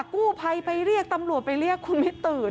กู้ภัยไปเรียกตำรวจไปเรียกคุณไม่ตื่น